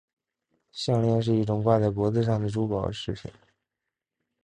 项链是一种挂在脖子上的珠宝饰品。